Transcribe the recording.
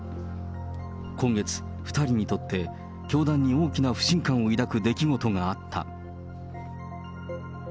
今月、２人にとって、教団に大きな不信感を抱く出来事があった。